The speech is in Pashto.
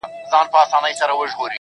په يوه خاص ځای کي را ټولول